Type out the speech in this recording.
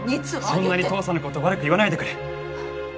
そんなに父さんのことを悪く言わないでくれ。